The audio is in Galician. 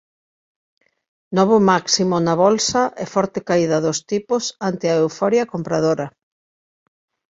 Novo máximo na Bolsa e forte caída dos tipos ante a euforia compradora